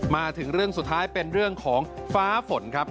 มาถึงเรื่องสุดท้ายเป็นเรื่องของฟ้าฝนครับ